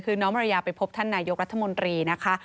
คือน้องมารยาไปพบท่านนายกรัฐมนตรีนะคะ